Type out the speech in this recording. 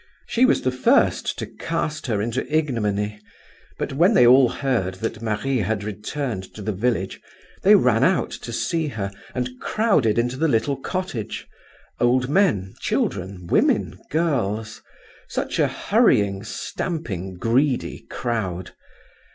She was the first to cast her into ignominy; but when they all heard that Marie had returned to the village, they ran out to see her and crowded into the little cottage—old men, children, women, girls—such a hurrying, stamping, greedy crowd.